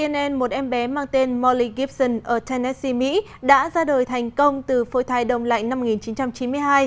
theo hãng tin cnn một em bé mang tên molly gibson ở tennessee mỹ đã ra đời thành công từ phôi thai đông lạnh năm một nghìn chín trăm chín mươi hai